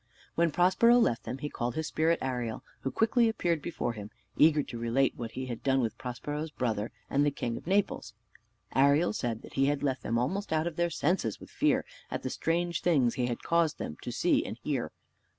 When Prospero left them, he called his spirit Ariel, who quickly appeared before him, eager to relate what he had done with Prospero's brother and the king of Naples. Ariel said he had left them almost out of their senses with fear, at the strange things he had caused them to see and hear.